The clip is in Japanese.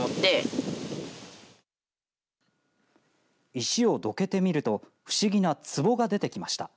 石をどけてみると不思議なつぼが出てきました。